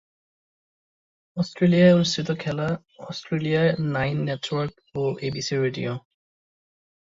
অস্ট্রেলিয়ায় অনুষ্ঠিত খেলা: অস্ট্রেলিয়ায় নাইন নেটওয়ার্ক ও এবিসি রেডিও।